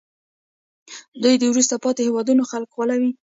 دوی د وروسته پاتې هېوادونو خلک غولوي